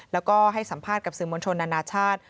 แล้วก็ให้สัมภาษณ์กับสื่อมวลชนนานาชาติ